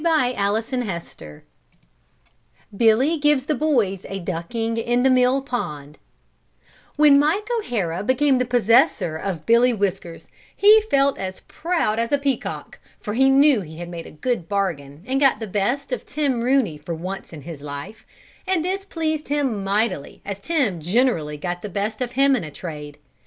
Billy Gives the Boys a Ducking in the Mill Pond When Mike O'Hara became the possessor of Billy Whiskers he felt as proud as a peacock, for he knew he had made a good bargain and got the best of Tim Rooney for once in his life, and this pleased him mightily as Tim generally got the best of him in a trade.